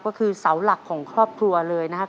ก็คือเสาหลักของครอบครัวเลยนะครับ